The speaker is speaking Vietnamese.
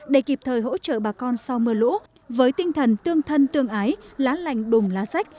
để kịp thời hỗ trợ bà con sau mưa lũ với tinh thần tương thân tương ái lá lành đùm lá sách